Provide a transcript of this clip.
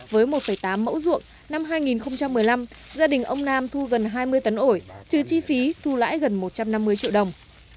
với một tám mẫu ruộng năm hai nghìn một mươi năm gia đình ông nam thu gần hai mươi tấn ổi trừ chi phí thu lãi gần một trăm năm mươi triệu đồng